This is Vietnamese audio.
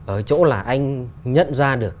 ở chỗ là anh nhận ra được